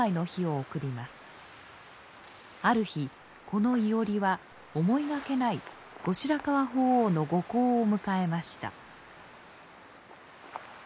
ある日この庵は思いがけない後白河法皇の御幸を迎えました。